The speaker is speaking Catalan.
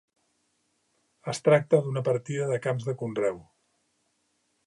Es tracta d'una partida de camps de conreu.